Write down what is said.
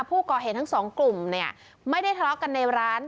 ผู้ก่อเหตุทั้งสองกลุ่มเนี่ยไม่ได้ทะเลาะกันในร้าน